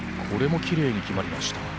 これもきれいに決まりました。